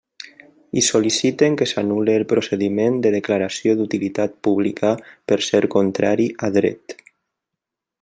I sol·liciten que s'anul·le el procediment de declaració d'utilitat pública per ser contrari a dret.